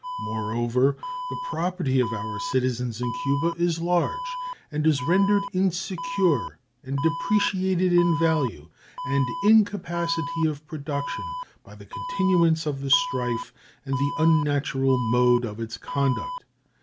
Moreover, the property of our citizens in Cuba is large, and is rendered insecure and depreciated in value and in capacity of production by the continuance of the strife and the unnatural mode of its conduct.